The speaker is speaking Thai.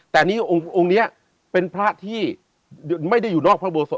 แต่นี่องค์นี้เป็นพระที่ไม่ได้อยู่นอกพระโบสถ